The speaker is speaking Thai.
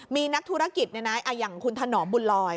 มีนักธุรกิจอย่างคุณถนอมบุญลอย